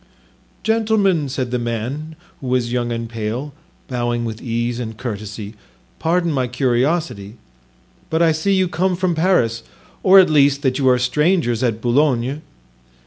"Gentlemen," said the man, who was young and pale, bowing with ease and courtesy, "pardon my curiosity, but I see you come from Paris, or at least that you are strangers at Boulogne."